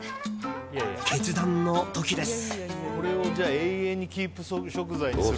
決断の時です。